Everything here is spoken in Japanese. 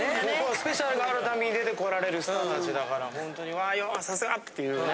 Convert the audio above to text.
スペシャルがあるたびに出てこられるスターたちだからホントにさすが！っていうね。